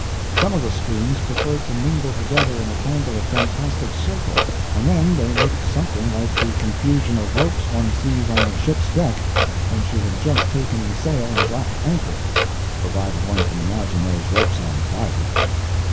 Some of the streams preferred to mingle together in a tangle of fantastic circles, and then they looked something like the confusion of ropes one sees on a ship's deck when she had just taken in sail and dropped anchor—provided one can imagine those ropes on fire.